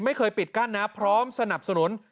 ไม่เคยปิดกั้นพร้อมสนับสนุน